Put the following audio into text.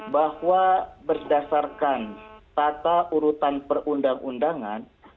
bahwa berdasarkan tata urutan perundang undangan